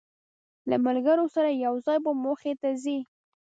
له ملګرو سره یو ځای به موخې ته ځی.